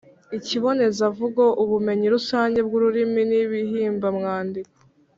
ikibonezamvugo, ubumenyi rusange bw’ururimi n’ihimbamwandiko